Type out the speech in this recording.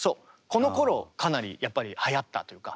このころかなりやっぱりはやったというか。